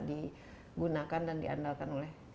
digunakan dan diandalkan oleh